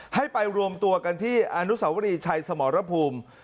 ให้ไปรวมตัวกันที่อนุสาวรีชัยสมรภูมิ